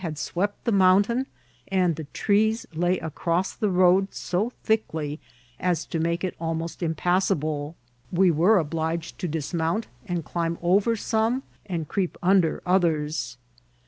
had swept the mountain, and the trees lay across the road so thickly as to make it almost impassable ; we were obliged to dismount, and climb over some and creep un der others.